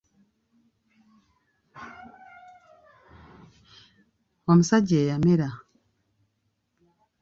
Omusajja eyamera.